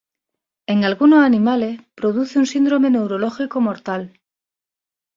En algunos animales produce un síndrome neurológico mortal.